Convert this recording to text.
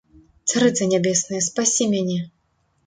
Царыца нябесная, спасі мяне!